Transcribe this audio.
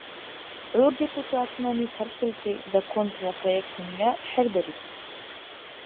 ГӀур депутатунани цархӀилти законтала проектунира хӀердариб.